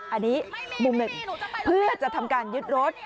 อันนี้มุมหนึ่งเพื่อจะทำการยึดรถ